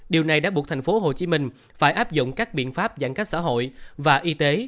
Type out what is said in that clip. điều này đã buộc tp hcm phải áp dụng các biện pháp giãn cách xã hội và y tế